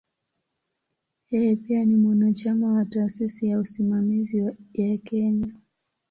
Yeye pia ni mwanachama wa "Taasisi ya Usimamizi ya Kenya".